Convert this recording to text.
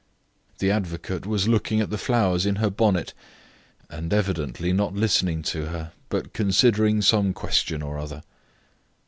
The advocate was looking at the flowers in her bonnet, and evidently not listening to her, but considering some question or other.